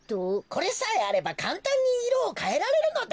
これさえあればかんたんにいろをかえられるのだ。